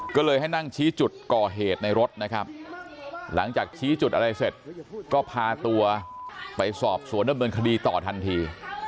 ก็เลยให้นั่งชี้จุดก่อเหตุในรถนะครับหลังจากชี้จุดอะไรเสร็จก็พาตัวไปสอบสวนดำเนินคดีต่อทันที